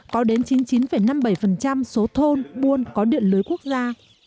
có đến chín mươi chín năm mươi bảy số thôn buôn có điện lưới quốc gia